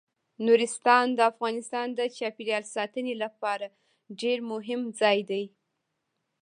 نورستان د افغانستان د چاپیریال ساتنې لپاره ډیر مهم ځای دی.